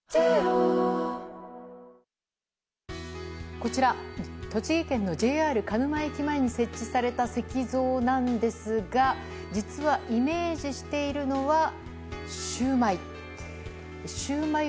こちら、栃木県のＪＲ鹿沼駅前に設置された石像なんですが実はイメージしているのはシューマイ。